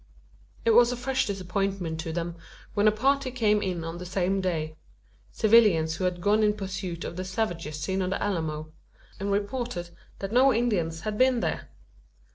It was a fresh disappointment to them, when a party came in on the same day civilians who had gone in pursuit of the savages seen on the Alamo and reported: that no Indians had been there!